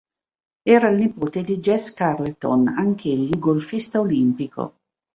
Era il nipote di Jesse Carleton, anch'egli golfista olimpico.